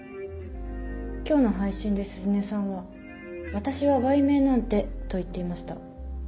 今日の配信で鈴音さんは「私は売名なんて」と言っていました。